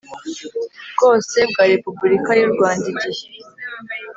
bwose bwa repubulika y u rwanda igihe